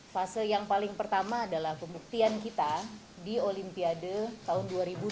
fase yang paling pertama adalah pembuktian kita di olimpiade tahun dua ribu sembilan belas